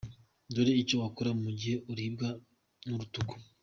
Dore icyo wakora mu gihe uribwa n’urutugu.